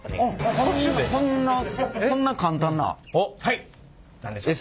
こんなこんな簡単な。何でしょう？